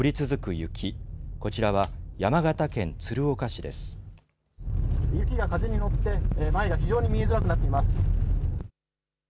雪が風に乗って、前が非常に見えづらくなっています。